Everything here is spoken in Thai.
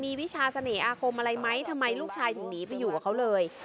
มีวิชาเสน่อาคมอะไรไหมทำไมลูกชายถึงหนีไปอยู่กับเขาเลย